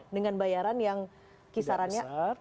dengan bayaran yang kisarannya empat ratus ribuan